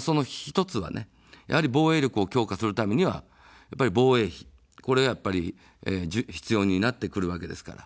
その１つは、防衛力を強化するためには防衛費、これがやっぱり必要になってくるわけですから。